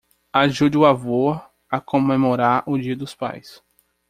Ajude o avô a comemorar o dia dos pais